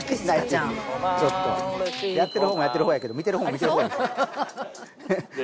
ちょっとやってるほうもやってるほうやけど見てるほうも見てるほうや。